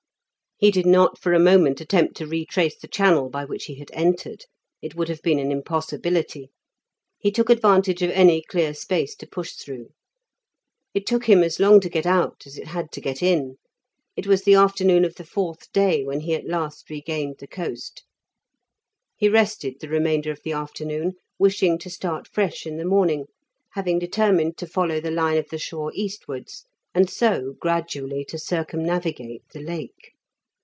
He did not for a moment attempt to retrace the channel by which he had entered; it would have been an impossibility; he took advantage of any clear space to push through. It took him as long to get out as it had to get in; it was the afternoon of the fourth day when he at last regained the coast. He rested the remainder of the afternoon, wishing to start fresh in the morning, having determined to follow the line of the shore eastwards, and so gradually to circumnavigate the Lake.